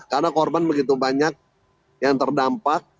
karena korban begitu banyak yang terdampak